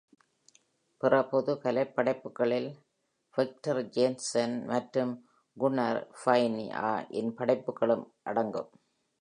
பிற பொது கலைப் படைப்புகளில் Viktor Jansson மற்றும் Gunner Finne இன் படைப்புகளும் அடங்கும்.